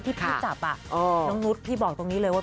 ที่พี่จับอ่ะน้องนุ๊ดพี่บอกตรงนี้เลยว่า